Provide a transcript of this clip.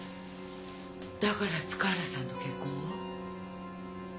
だから塚原さんと結婚を？